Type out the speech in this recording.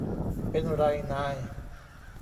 เป็นไรนาย